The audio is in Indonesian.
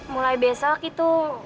mulai besok itu